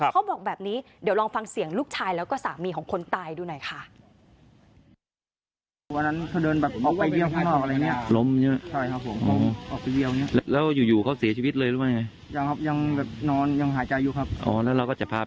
เขาบอกแบบนี้เดี๋ยวลองฟังเสียงลูกชายแล้วก็สามีของคนตายดูหน่อยค่ะ